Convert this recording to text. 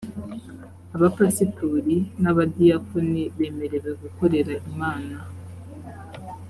abapasitori nabadiyakoni bemerewe gukorera imana.